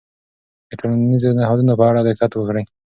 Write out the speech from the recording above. د ټولنیزو نهادونو په اړه دقت وکړئ.